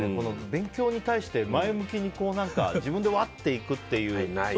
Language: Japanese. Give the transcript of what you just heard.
勉強に対して前向きに自分で、うわっといくっていう。